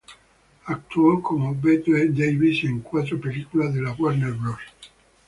Actuó con Bette Davis en cuatro películas de Warner Bros.